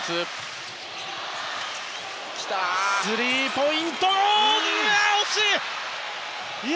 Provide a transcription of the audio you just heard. スリーポイント、惜しい！